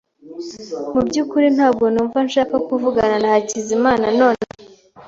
Mu byukuri ntabwo numva nshaka kuvugana na Hakizimana nonaha.